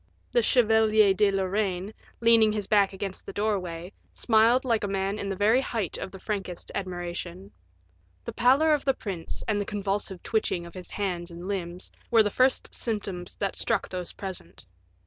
The Chevalier de Lorraine, leaning his back against the doorway, smiled like a man in the very height of the frankest admiration. The pallor of the prince, and the convulsive twitching of his hands and limbs, were the first symptoms that struck those present.